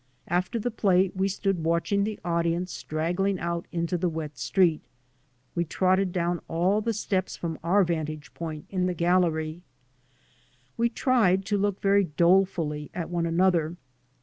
After the play we stood watching the audience straggling out into the wet street. We trotted down all the steps from our vantage point in the gallery. We tried to look very dolefully at one another.